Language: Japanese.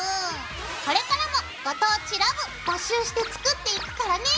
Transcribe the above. これからも「ご当地ＬＯＶＥ」募集して作っていくからね！